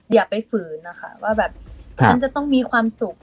อย่าไปฝืนนะคะว่าแบบฉันจะต้องมีความสุข